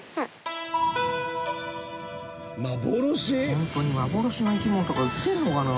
ホントに幻の生き物とか売ってるのかな？